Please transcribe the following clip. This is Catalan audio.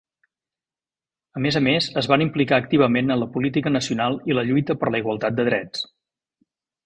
A més a més, es van implicar activament en la política nacional i la lluita per la igualtat de drets.